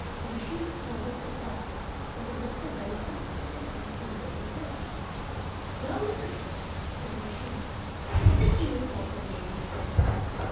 Urashima saw with surprise that it was the very tortoise he had rescued the day before. "Well, Mr. Tortoise," said Urashima, "was it you who called my name just now?"